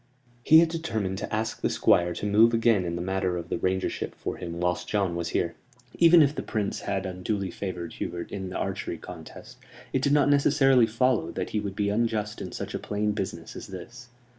He had determined to ask the Squire to move again in the matter of the Rangership for him whilst John was here. Even if the Prince had unduly favored Hubert in the archery contest, it did not necessarily follow that he would be unjust in such a plain business as this.